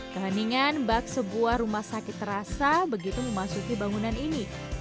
keheningan bak sebuah rumah sakit terasa begitu memasuki bangunan ini